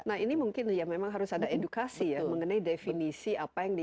nah ini mungkin ya memang harus ada edukasi ya mengenai definisi apa yang di